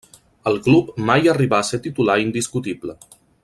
Al club mai arribà a ser titular indiscutible.